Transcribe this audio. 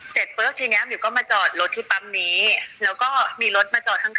เสร็จปุ๊บทีเนี้ยมิวก็มาจอดรถที่ปั๊มนี้แล้วก็มีรถมาจอดข้างข้าง